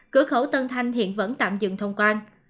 cửa khẩu tân thanh hiện vẫn tạm dừng thông quan